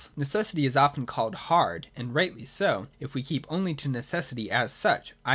Necessity is often called hard, and rightly so, if we keep only to necessity as such, i.